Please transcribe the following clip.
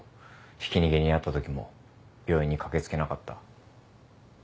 ひき逃げに遭ったときも病院に駆け付けなかった。